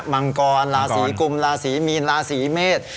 มังกรราศีกุมราศีมีนราศีเมษ